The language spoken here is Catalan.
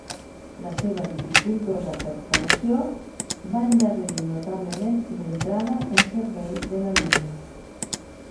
La seva dificultosa perforació va endarrerir notablement l’entrada en servei de la línia.